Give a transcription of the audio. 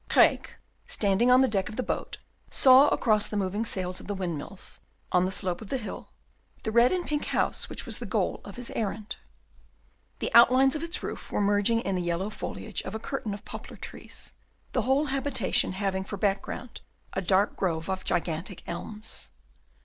Craeke, standing on the deck of the boat, saw, across the moving sails of the windmills, on the slope of the hill, the red and pink house which was the goal of his errand. The outlines of its roof were merging in the yellow foliage of a curtain of poplar trees, the whole habitation having for background a dark grove of gigantic elms.